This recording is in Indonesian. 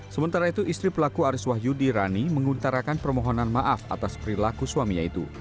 sementara itu istri pelaku aris wahyudi rani menguntarakan permohonan maaf atas perilaku suaminya itu